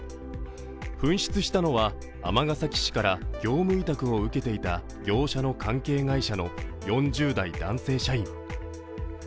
紛失したのは尼崎市から業務委託を受けていた業者の関係会社の４０代男性社員。